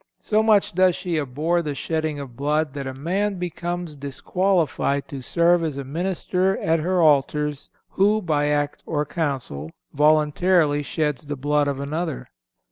So much does she abhor the shedding of blood that a man becomes disqualified to serve as a minister at her altars who, by act or counsel, voluntarily sheds the blood of another.